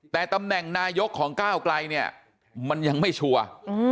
แต่ตำแหน่งนายกของก้าวไกลเนี่ยมันยังไม่ชัวร์